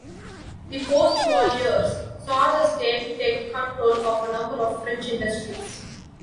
The post-war years saw the state take control of a number of French industries.